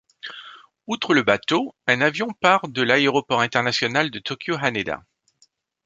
Outre le bateau, un avion part de l'Aéroport international de Tokyo Haneda.